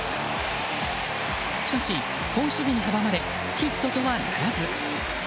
しかし、好守備に阻まれヒットとはならず。